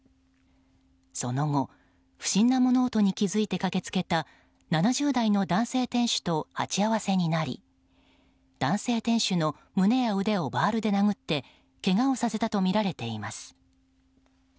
その後、不審な物音に気付いて駆けつけた７０代の男性店主と鉢合わせになり男性店主の胸や腕をバールで殴ってけがをさせたとみられています。